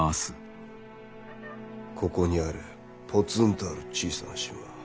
ここにあるぽつんとある小さな島